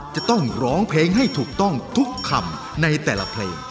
จะต้องร้องเพลงให้ถูกต้องทุกคำในแต่ละเพลง